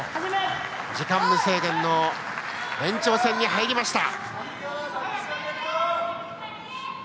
時間無制限の延長戦に入りました。